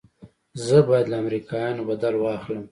زه بايد له امريکايانو بدل واخلم.